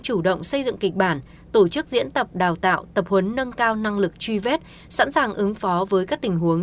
chủ động xây dựng kịch bản tổ chức diễn tập đào tạo tập huấn nâng cao năng lực truy vết sẵn sàng ứng phó với các tình huống